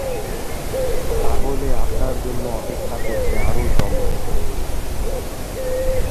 তাহলে আপনার জন্য অপেক্ষা করছে আরো চমক!